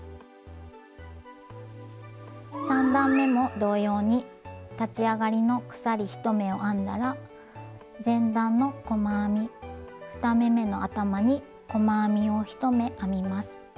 ３段めも同様に立ち上がりの鎖１目を編んだら前段の細編み２目めの頭に細編みを１目編みます。